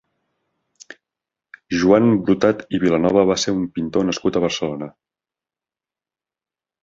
Joan Brotat i Vilanova va ser un pintor nascut a Barcelona.